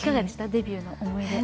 デビューの思い出は。